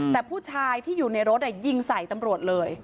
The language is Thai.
แต่ผู้ชายที่อยู่ในรถยิงใส่ตำรวจเลย